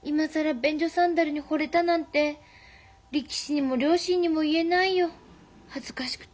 便所サンダルにほれたなんて力士にも両親にも言えないよ恥ずかしくて。